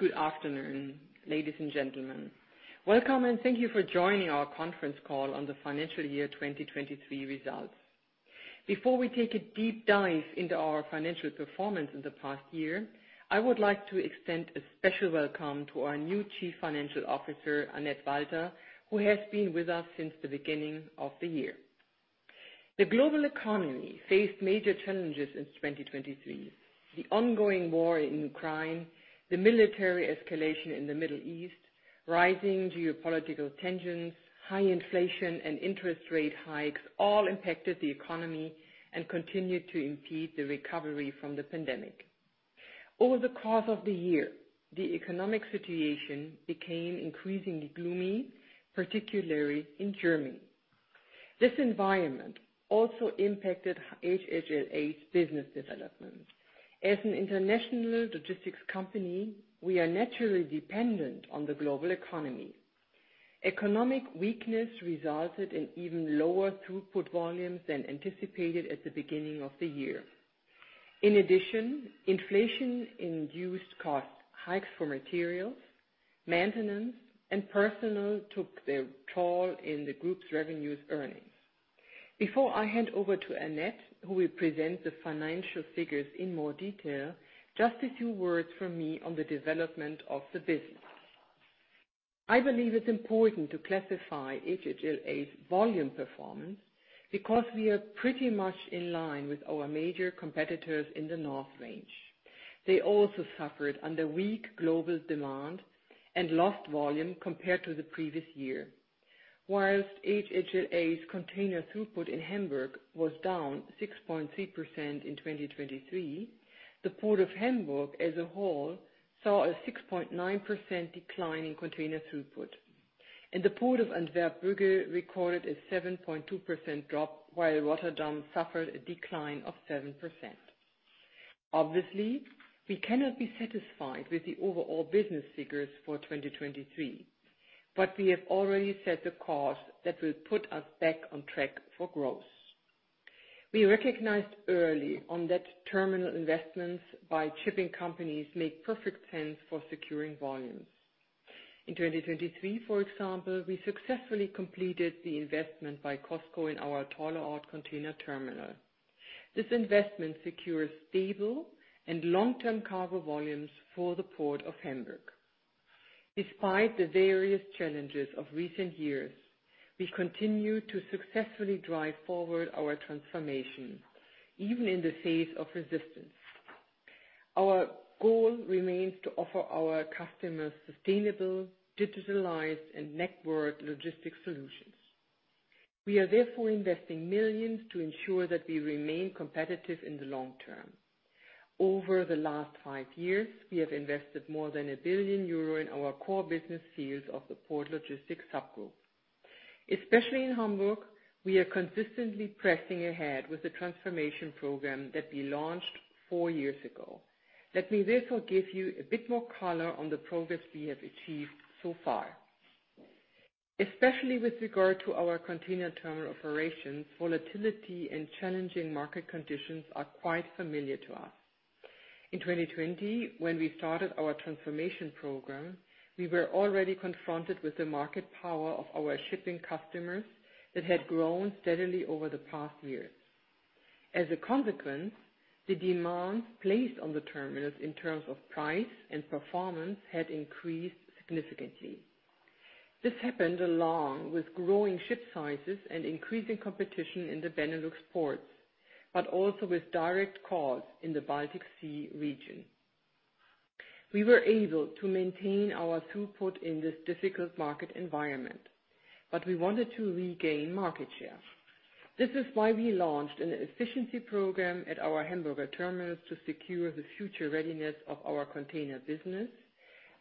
Good afternoon, ladies and gentlemen. Welcome, and thank you for joining our conference call on the financial year 2023 results. Before we take a deep dive into our financial performance in the past year, I would like to extend a special welcome to our new Chief Financial Officer, Annette Walter, who has been with us since the beginning of the year. The global economy faced major challenges in 2023. The ongoing war in Ukraine, the military escalation in the Middle East, rising geopolitical tensions, high inflation, and interest rate hikes all impacted the economy and continued to impede the recovery from the pandemic. Over the course of the year, the economic situation became increasingly gloomy, particularly in Germany. This environment also impacted HHLA's business development. As an international logistics company, we are naturally dependent on the global economy. Economic weakness resulted in even lower throughput volumes than anticipated at the beginning of the year. In addition, inflation-induced cost hikes for materials, maintenance, and personnel took their toll on the group's revenue earnings. Before I hand over to Annette, who will present the financial figures in more detail, just a few words from me on the development of the business. I believe it's important to classify HHLA's volume performance, because we are pretty much in line with our major competitors in the North Range. They also suffered under weak global demand and lost volume compared to the previous year. While HHLA's container throughput in Hamburg was down 6.3% in 2023, the Port of Hamburg as a whole saw a 6.9% decline in container throughput. The Port of Antwerp-Bruges recorded a 7.2% drop, while Rotterdam suffered a decline of 7%. Obviously, we cannot be satisfied with the overall business figures for 2023, but we have already set the course that will put us back on track for growth. We recognized early on that terminal investments by shipping companies make perfect sense for securing volumes. In 2023, for example, we successfully completed the investment by COSCO in our Tollerort container terminal. This investment secures stable and long-term cargo volumes for the Port of Hamburg. Despite the various challenges of recent years, we continue to successfully drive forward our transformation, even in the face of resistance. Our goal remains to offer our customers sustainable, digitalized, and networked logistics solutions. We are therefore investing millions to ensure that we remain competitive in the long term. Over the last five years, we have invested more than 1 billion euro in our core business fields of the port logistics sub-group. Especially in Hamburg, we are consistently pressing ahead with the transformation program that we launched four years ago. Let me therefore give you a bit more color on the progress we have achieved so far. Especially with regard to our container terminal operations, volatility and challenging market conditions are quite familiar to us. In 2020, when we started our transformation program, we were already confronted with the market power of our shipping customers that had grown steadily over the past years. As a consequence, the demand placed on the terminals in terms of price and performance had increased significantly. This happened along with growing ship sizes and increasing competition in the Benelux ports, but also with direct cause in the Baltic Sea region. We were able to maintain our throughput in this difficult market environment, but we wanted to regain market share. This is why we launched an efficiency program at our Hamburger terminals to secure the future readiness of our container business.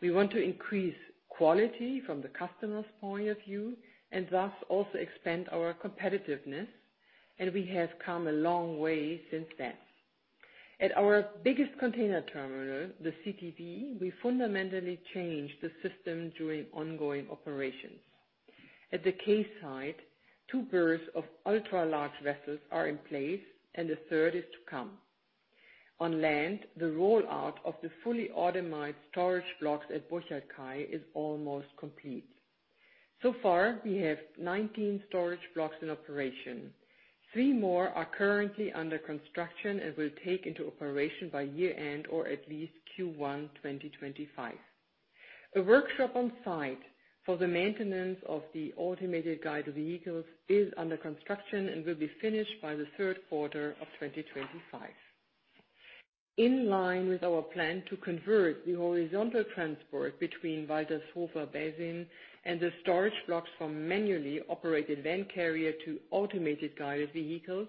We want to increase quality from the customer's point of view, and thus also expand our competitiveness, and we have come a long way since then. At our biggest container terminal, the CTB, we fundamentally changed the system during ongoing operations. At the quayside, two berths of ultra-large vessels are in place, and a third is to come. On land, the rollout of the fully automated storage blocks at Burchardkai is almost complete. So far, we have 19 storage blocks in operation. Three more are currently under construction and will take into operation by year-end, or at least Q1 2025. A workshop on site for the maintenance of the automated guided vehicles is under construction and will be finished by the third quarter of 2025. In line with our plan to convert the horizontal transport between Waltershofer Becken and the storage blocks from manually operated van carrier to automated guided vehicles,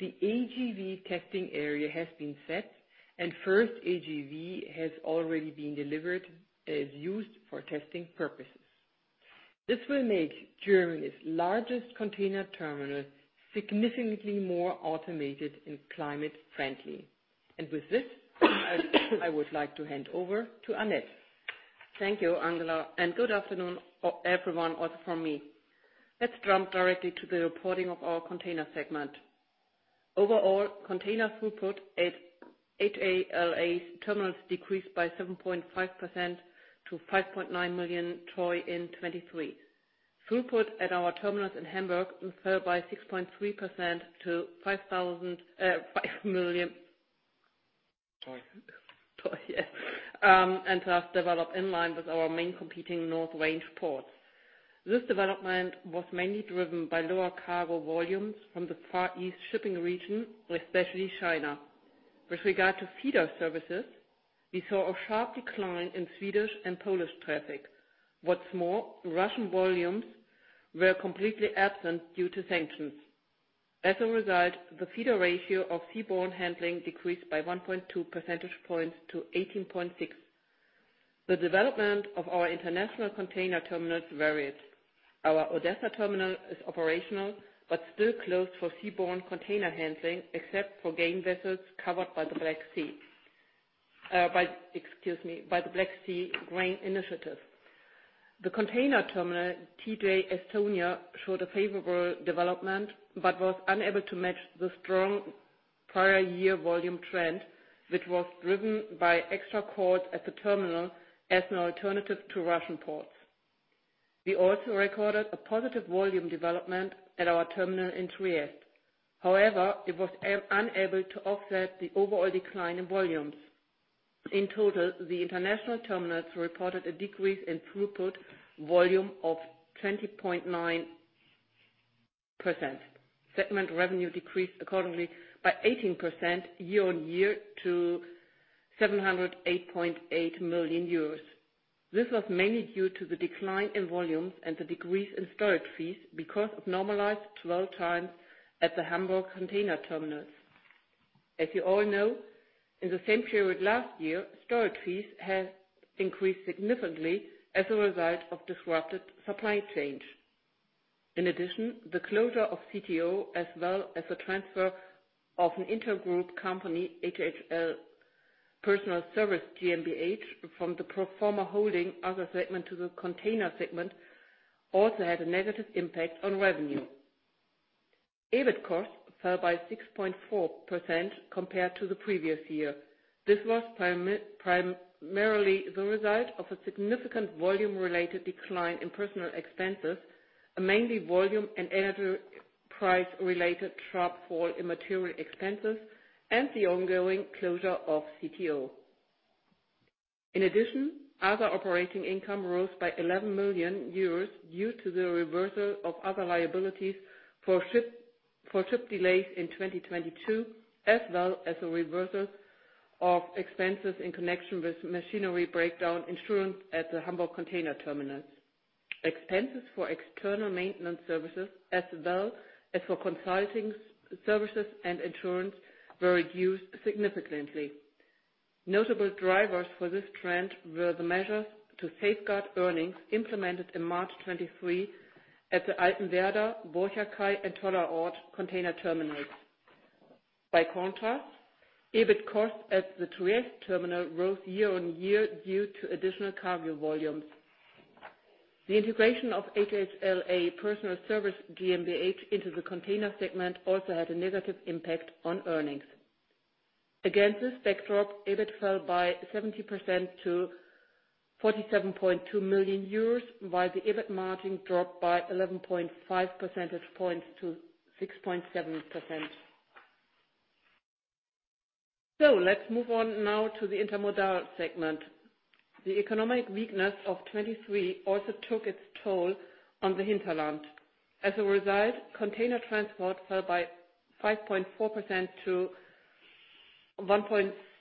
the AGV testing area has been set, and first AGV has already been delivered and is used for testing purposes. This will make Germany's largest container terminal significantly more automated and climate-friendly. With this, I would like to hand over to Annette. Thank you, Angela, and good afternoon, everyone, also from me. Let's jump directly to the reporting of our container segment... Overall, container throughput at HHLA's terminals decreased by 7.5% to 5.9 million TEU in 2023. Throughput at our terminals in Hamburg fell by 6.3% to 5 million- TEU. TEU, yes. And thus developed in line with our main competing North Range ports. This development was mainly driven by lower cargo volumes from the Far East shipping region, especially China. With regard to feeder services, we saw a sharp decline in Swedish and Polish traffic. What's more, Russian volumes were completely absent due to sanctions. As a result, the feeder ratio of seaborne handling decreased by 1.2 percentage points to 18.6. The development of our international container terminals varied. Our Odessa terminal is operational, but still closed for seaborne container handling, except for grain vessels covered by the Black Sea Grain Initiative. The container terminal, TK Estonia, showed a favorable development, but was unable to match the strong prior year volume trend, which was driven by extra calls at the terminal as an alternative to Russian ports. We also recorded a positive volume development at our terminal in Trieste. However, it was unable to offset the overall decline in volumes. In total, the international terminals reported a decrease in throughput volume of 20.9%. Segment revenue decreased accordingly by 18% year-on-year to 708.8 million euros. This was mainly due to the decline in volumes and the decrease in storage fees because of normalized dwell time at the Hamburg container terminals. As you all know, in the same period last year, storage fees had increased significantly as a result of disrupted supply chains. In addition, the closure of CTO, as well as the transfer of an inter-group company, HHLA Personal Service GmbH, from the pro forma holding other segment to the container segment, also had a negative impact on revenue. EBIT costs fell by 6.4% compared to the previous year. This was primarily the result of a significant volume-related decline in personal expenses, a mainly volume and energy price-related shortfall in material expenses, and the ongoing closure of CTO. In addition, other operating income rose by 11 million euros due to the reversal of other liabilities for ship delays in 2022, as well as a reversal of expenses in connection with machinery breakdown insurance at the Hamburg container terminals. Expenses for external maintenance services, as well as for consulting services and insurance, were reduced significantly. Notable drivers for this trend were the measures to safeguard earnings implemented in March 2023 at the Altenwerder, Burchardkai, and Tollerort container terminals. By contrast, EBIT costs at the Trieste terminal rose year-over-year due to additional cargo volumes. The integration of HHLA Personal Service GmbH into the container segment also had a negative impact on earnings. Against this backdrop, EBIT fell by 70% to 47.2 million euros, while the EBIT margin dropped by 11.5 percentage points to 6.7%. So let's move on now to the intermodal segment. The economic weakness of 2023 also took its toll on the hinterland. As a result, container transport fell by 5.4% to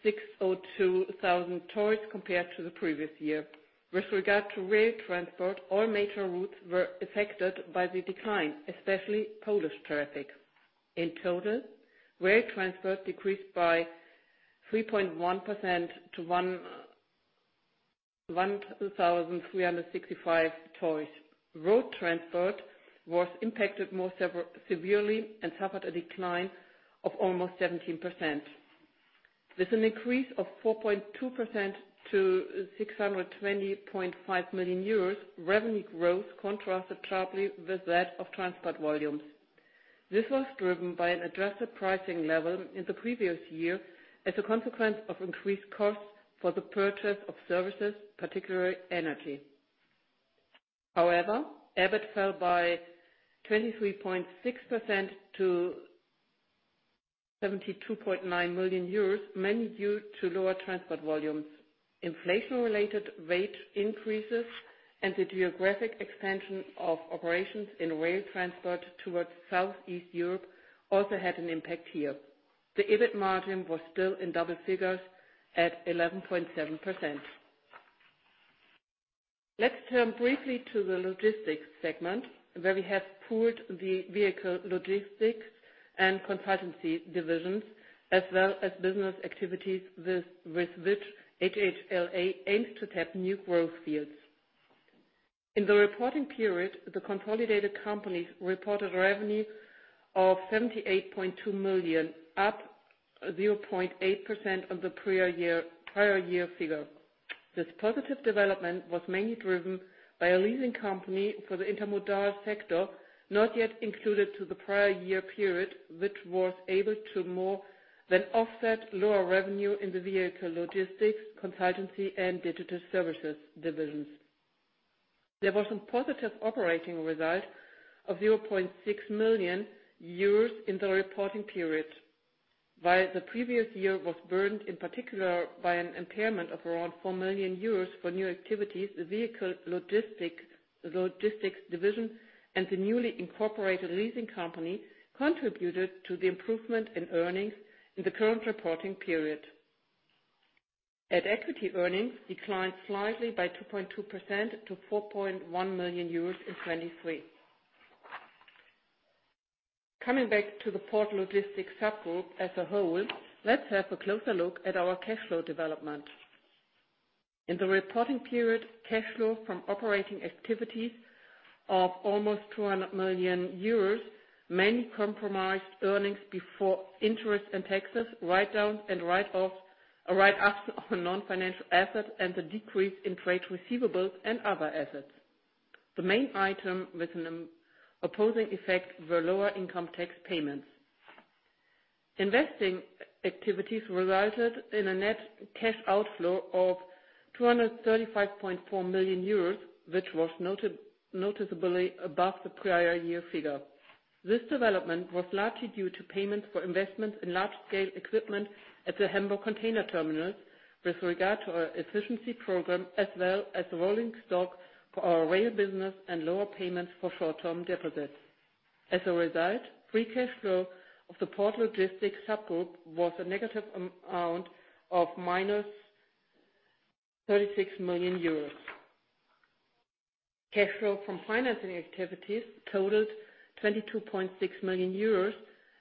1,602 TEU, compared to the previous year. With regard to rail transport, all major routes were affected by the decline, especially Polish traffic. In total, rail transport decreased by 3.1% to 11,365 TEUs. Road transport was impacted most severely and suffered a decline of almost 17%. With an increase of 4.2% to 620.5 million euros, revenue growth contrasted sharply with that of transport volumes. This was driven by an adjusted pricing level in the previous year as a consequence of increased costs for the purchase of services, particularly energy. However, EBIT fell by 23.6% to 72.9 million euros, mainly due to lower transport volumes. Inflation-related rate increases and the geographic expansion of operations in rail transport towards Southeast Europe also had an impact here. The EBIT margin was still in double figures at 11.7%. Let's turn briefly to the logistics segment, where we have pooled the vehicle logistics and consultancy divisions, as well as business activities with which HHLA aims to tap new growth fields. In the reporting period, the consolidated companies reported revenue of 78.2 million, up 0.8% on the prior year, prior year figure. This positive development was mainly driven by a leasing company for the intermodal sector, not yet included to the prior year period, which was able to more than offset lower revenue in the vehicle logistics, consultancy, and digital services divisions. There was a positive operating result of 0.6 million euros in the reporting period. While the previous year was burdened, in particular, by an impairment of around 4 million euros for new activities, the vehicle logistics division, and the newly incorporated leasing company contributed to the improvement in earnings in the current reporting period. At equity, earnings declined slightly by 2.2% to 4.1 million euros in 2023. Coming back to the port logistics subgroup as a whole, let's have a closer look at our cash flow development. In the reporting period, cash flow from operating activities of almost 200 million euros, mainly comprised earnings before interest and taxes, write-down and write-off, a write-off on non-financial assets, and the decrease in trade receivables and other assets. The main item with an opposing effect were lower income tax payments. Investing activities resulted in a net cash outflow of 235.4 million euros, which was noticeably above the prior year figure. This development was largely due to payments for investments in large-scale equipment at the Hamburg container terminals with regard to our efficiency program, as well as the rolling stock for our rail business and lower payments for short-term deposits. As a result, free cash flow of the port logistics subgroup was a negative amount of -36 million euros. Cash flow from financing activities totaled 22.6 million euros,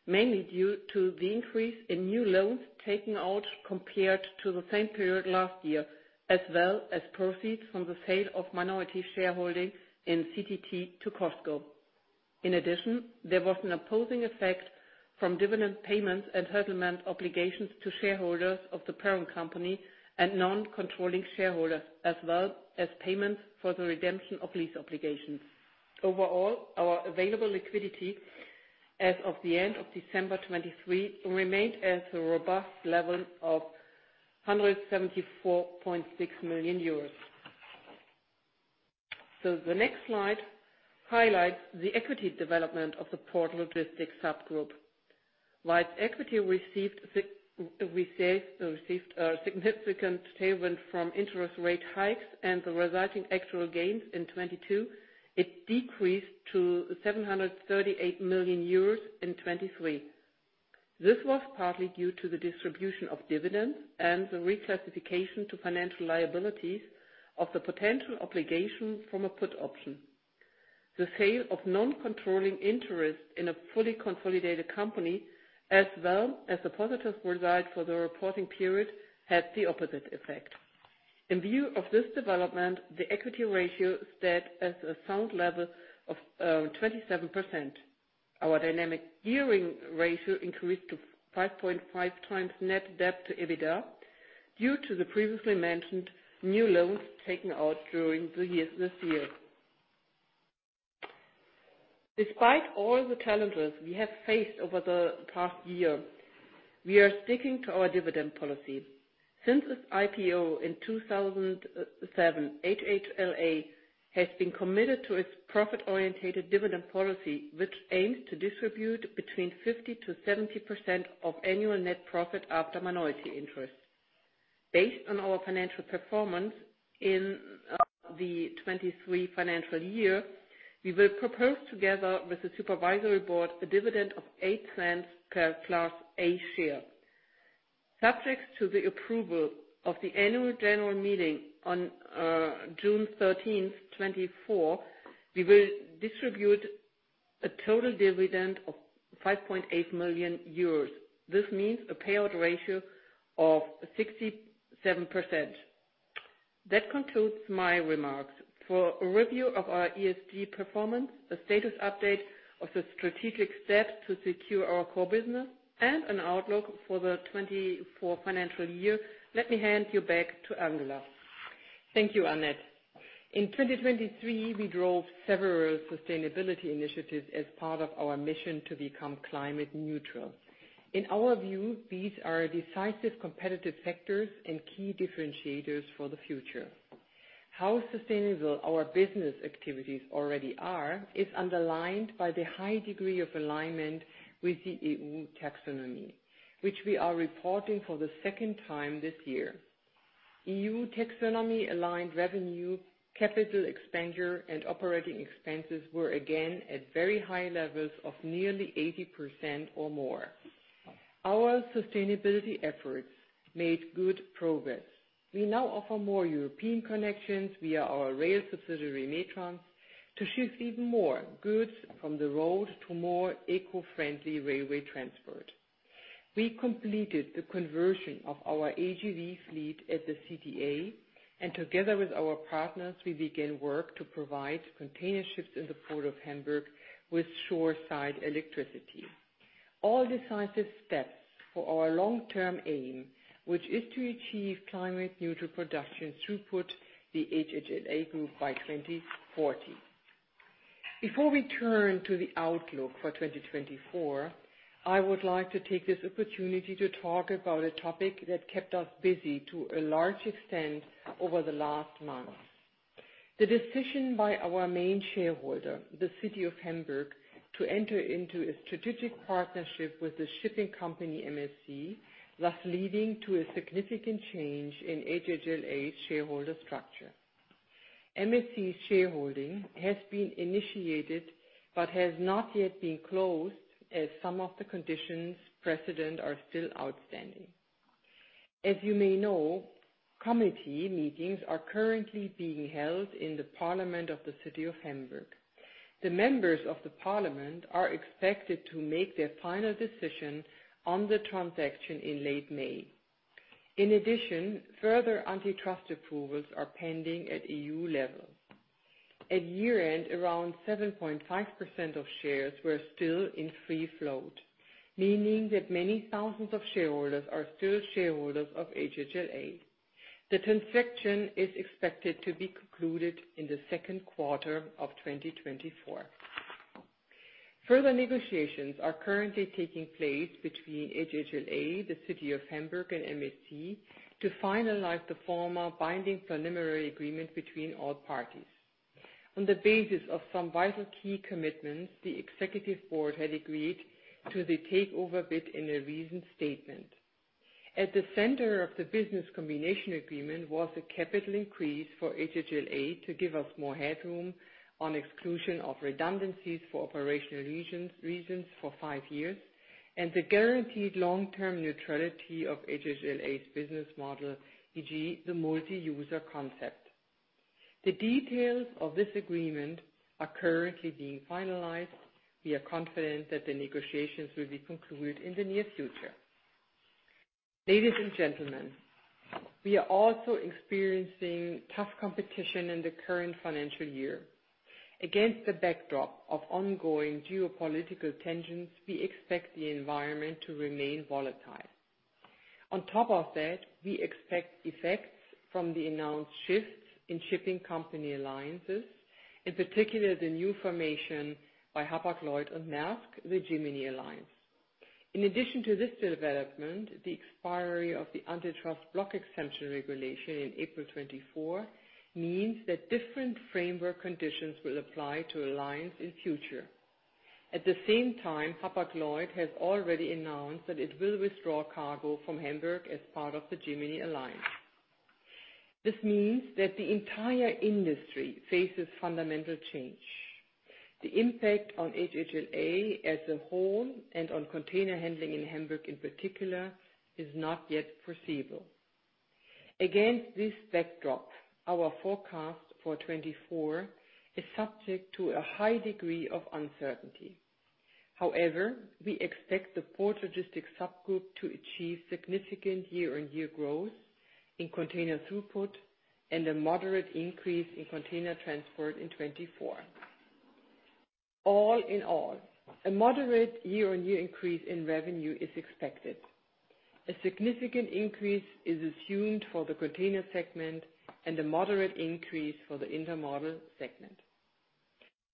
mainly due to the increase in new loans taken out compared to the same period last year, as well as proceeds from the sale of minority shareholding in CTB to COSCO. In addition, there was an opposing effect from dividend payments and settlement obligations to shareholders of the parent company and non-controlling shareholders, as well as payments for the redemption of lease obligations. Overall, our available liquidity as of the end of December 2023 remained at a robust level of 174.6 million euros. So the next slide highlights the equity development of the port logistics subgroup. While equity received a significant tailwind from interest rate hikes and the resulting actual gains in 2022, it decreased to 738 million euros in 2023. This was partly due to the distribution of dividends and the reclassification to financial liabilities of the potential obligation from a put option. The sale of non-controlling interest in a fully consolidated company, as well as a positive result for the reporting period, had the opposite effect. In view of this development, the equity ratio stood at a sound level of 27%. Our dynamic gearing ratio increased to 5.5x net debt to EBITDA, due to the previously mentioned new loans taken out during this year. Despite all the challenges we have faced over the past year, we are sticking to our dividend policy. Since its IPO in 2007, HHLA has been committed to its profit-oriented dividend policy, which aims to distribute between 50%-70% of annual net profit after minority interest. Based on our financial performance in the 2023 financial year, we will propose, together with the supervisory board, a dividend of 0.08 per Class A share. Subject to the approval of the annual general meeting on June 13th, 2024, we will distribute a total dividend of 5.8 million euros. This means a payout ratio of 67%. That concludes my remarks. For a review of our ESG performance, a status update of the strategic steps to secure our core business, and an outlook for the 2024 financial year, let me hand you back to Angela. Thank you, Annette. In 2023, we drove several sustainability initiatives as part of our mission to become climate neutral. In our view, these are decisive competitive factors and key differentiators for the future. How sustainable our business activities already are, is underlined by the high degree of alignment with the EU Taxonomy, which we are reporting for the second time this year. EU Taxonomy-aligned revenue, capital expenditure, and operating expenses were again at very high levels of nearly 80% or more. Our sustainability efforts made good progress. We now offer more European connections via our rail subsidiary, Metrans, to shift even more goods from the road to more eco-friendly railway transport. We completed the conversion of our AGV fleet at the CTA, and together with our partners, we began work to provide container ships in the Port of Hamburg with shoreside electricity. All decisive steps for our long-term aim, which is to achieve climate-neutral production throughout the HHLA Group by 2040. Before we turn to the outlook for 2024, I would like to take this opportunity to talk about a topic that kept us busy to a large extent over the last months. The decision by our main shareholder, the City of Hamburg, to enter into a strategic partnership with the shipping company MSC, thus leading to a significant change in HHLA shareholder structure. MSC shareholding has been initiated but has not yet been closed, as some of the conditions precedent are still outstanding. As you may know, committee meetings are currently being held in the Parliament of the City of Hamburg. The members of the parliament are expected to make their final decision on the transaction in late May. In addition, further antitrust approvals are pending at EU level. At year-end, around 7.5% of shares were still in free float, meaning that many thousands of shareholders are still shareholders of HHLA. The transaction is expected to be concluded in the second quarter of 2024. Further negotiations are currently taking place between HHLA, the City of Hamburg, and MSC to finalize the formal binding preliminary agreement between all parties. On the basis of some vital key commitments, the executive board had agreed to the takeover bid in a recent statement. At the center of the business combination agreement was a capital increase for HHLA to give us more headroom on exclusion of redundancies for operational reasons, reasons for five years, and the guaranteed long-term neutrality of HHLA's business model, e.g., the multi-user concept. The details of this agreement are currently being finalized. We are confident that the negotiations will be concluded in the near future. Ladies and gentlemen, we are also experiencing tough competition in the current financial year. Against the backdrop of ongoing geopolitical tensions, we expect the environment to remain volatile. On top of that, we expect effects from the announced shifts in shipping company alliances, in particular, the new formation by Hapag-Lloyd and Maersk, the Gemini Alliance. In addition to this development, the expiry of the Antitrust Block Exemption Regulation in April 2024 means that different framework conditions will apply to alliance in future. At the same time, Hapag-Lloyd has already announced that it will withdraw cargo from Hamburg as part of the Gemini Alliance. This means that the entire industry faces fundamental change. The impact on HHLA as a whole and on container handling in Hamburg, in particular, is not yet foreseeable. Against this backdrop, our forecast for 2024 is subject to a high degree of uncertainty. However, we expect the port logistics subgroup to achieve significant year-on-year growth in container throughput and a moderate increase in container transport in 2024. All in all, a moderate year-on-year increase in revenue is expected. A significant increase is assumed for the container segment and a moderate increase for the intermodal segment.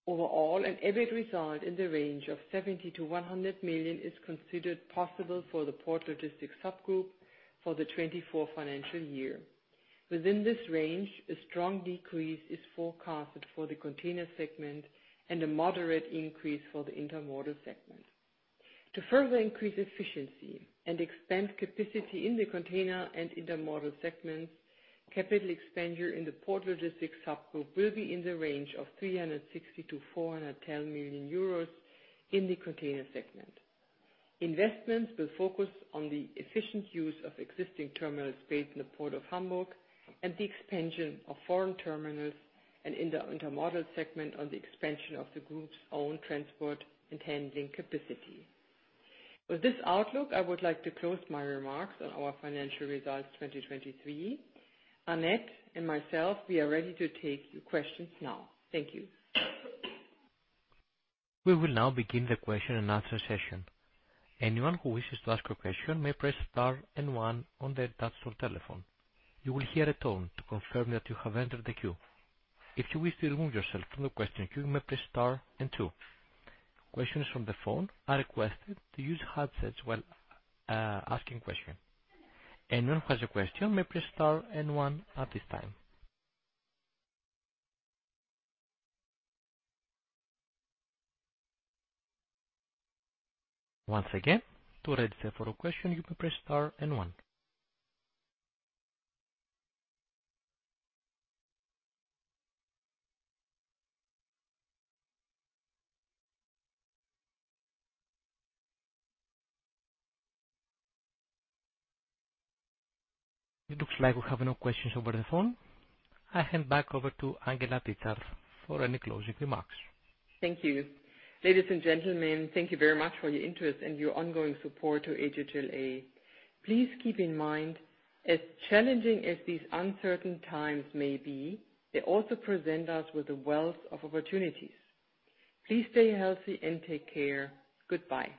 Overall, an EBIT result in the range of 70 million-100 million is considered possible for the port logistics subgroup for the 2024 financial year. Within this range, a strong decrease is forecasted for the container segment and a moderate increase for the intermodal segment. To further increase efficiency and expand capacity in the container and intermodal segments, capital expenditure in the port logistics subgroup will be in the range of 360 million-410 million euros in the container segment. Investments will focus on the efficient use of existing terminal space in the Port of Hamburg and the expansion of foreign terminals, and in the intermodal segment on the expansion of the group's own transport and handling capacity. With this outlook, I would like to close my remarks on our financial results, 2023. Annette and myself, we are ready to take your questions now. Thank you. We will now begin the question and answer session. Anyone who wishes to ask a question may press star and one on their touch or telephone. You will hear a tone to confirm that you have entered the queue. If you wish to remove yourself from the question queue, you may press star and two. Questions from the phone are requested to use headsets while asking question. Anyone who has a question may press star and one at this time. Once again, to register for a question, you may press star and one. It looks like we have no questions over the phone. I hand back over to Angela Titzrath for any closing remarks. Thank you. Ladies and gentlemen, thank you very much for your interest and your ongoing support to HHLA. Please keep in mind, as challenging as these uncertain times may be, they also present us with a wealth of opportunities. Please stay healthy and take care. Goodbye.